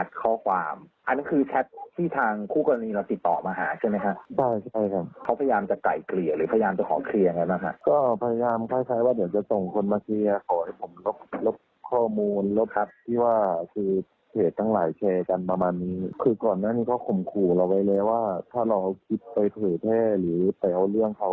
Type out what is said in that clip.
ผมขออธิบายแล้วว่าถ้าเราไปเผยเท่หรือไปเอาเรื่องเขา